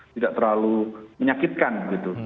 tidak terlalu menyakitkan gitu